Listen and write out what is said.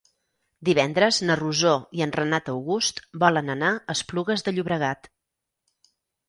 Divendres na Rosó i en Renat August volen anar a Esplugues de Llobregat.